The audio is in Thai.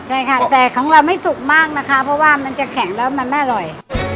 ใช่ค่ะแต่ของเราไม่สุกมากนะคะเพราะว่ามันจะแข็งแล้วมันไม่อร่อย